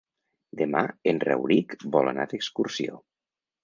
Demà en Rauric vol anar d'excursió.